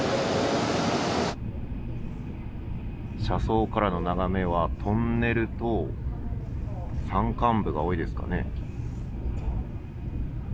車窓からの眺めは、トンネルと、山間部が多いですかね。